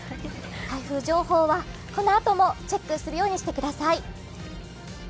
台風情報はこのあともチェックするようにしてください。